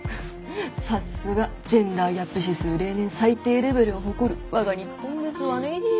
さすがジェンダー・ギャップ指数例年最低レベルを誇る我が日本ですわね。